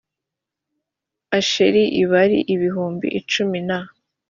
asheri l bari ibihumbi cumi na